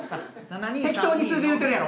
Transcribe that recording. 適当に数字、言ってるやろ。